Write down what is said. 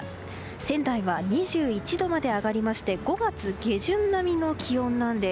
仙台は２１度まで上がりまして５月下旬並みの気温なんです。